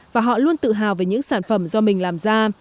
và họ luôn tự hào về những sản phẩm do mình làm ra